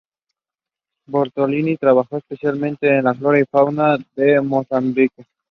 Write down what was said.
Bertolini trabajó especialmente en la flora y fauna de Mozambique.